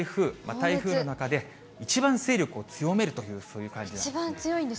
台風の中で、一番勢力を強めるという、そういう感じなんです。